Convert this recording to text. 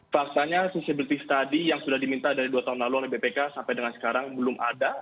faktanya susiability study yang sudah diminta dari dua tahun lalu oleh bpk sampai dengan sekarang belum ada